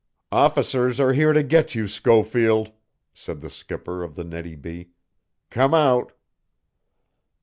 "Officers are here to get you, Schofield," said the skipper of the Nettie B. "Come out."